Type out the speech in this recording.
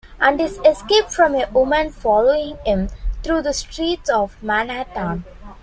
And his escape from a women following him through the streets of Manhattan.